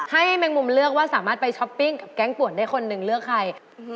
แมงมุมเลือกว่าสามารถไปช้อปปิ้งกับแก๊งป่วนได้คนหนึ่งเลือกใคร